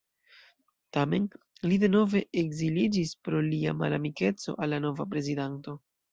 Tamen, li denove ekziliĝis pro lia malamikeco al la nova prezidanto.